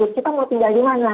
kita mau tinggal dimana